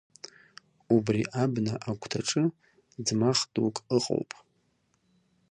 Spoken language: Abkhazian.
Убри абна агәҭаҿы ӡмах дук ыҟоуп.